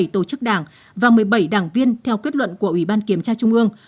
một mươi tổ chức đảng và một mươi bảy đảng viên theo kết luận của ủy ban kiểm tra trung ương